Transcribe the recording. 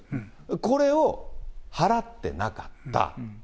これを払ってなかった。